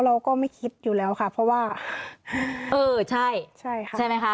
เราก็ไม่คิดอยู่แล้วค่ะเพราะว่าเออใช่ใช่ค่ะใช่ไหมคะ